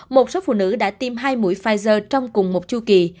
một số phụ nữ đã tiêm hai mũi pfizer trong cùng một chu kỳ